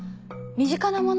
身近なもの？